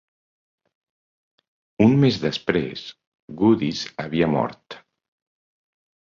Un mes després, Goodis havia mort.